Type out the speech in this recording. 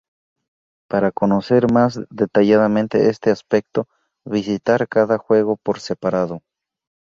Para conocer más detalladamente este aspecto, visitar cada juego por separado.